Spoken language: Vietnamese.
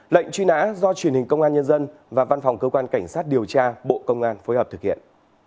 lệnh truy nã do truyền hình công an nhân dân và văn phòng cơ quan cảnh sát điều tra bộ công an phối hợp thực hiện